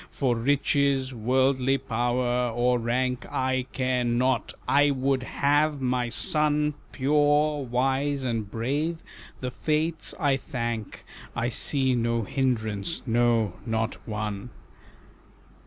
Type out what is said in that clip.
For riches, worldly power, or rank I care not, I would have my son Pure, wise, and brave, the Fates I thank I see no hindrance, no, not one."